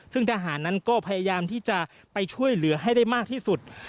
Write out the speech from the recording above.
ซึ่งทหารนั้นก็พยายามที่จะไปช่วยเหลือให้ได้มากที่สุด